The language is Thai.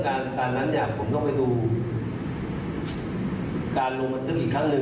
นะครับแต่นั้นเราต้องไปดูว่าที่คุณเม่ว่าพูดเพิ่มแม่งเน่ะ